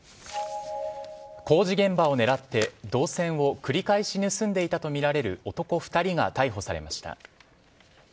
工事現場を狙って銅線を繰り返し盗んでいたとみられる男２人が逮捕されました。